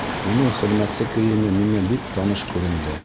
Уның хеҙмәтсе кейеме миңә бик таныш күренде.